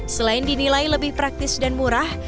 selain dinilai lebih praktis dan murah